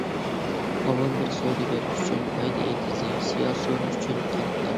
ئاۋام بىر سودىگەر ئۈچۈن پايدا ئېتىزى، سىياسىيون ئۈچۈن قارتا.